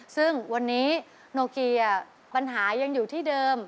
ซึ่งวันนี้โนเกียปัญหายังอยู่ที่เดิม